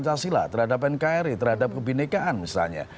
terhadap pancasila terhadap nkri terhadap kebhinnekaan misalnya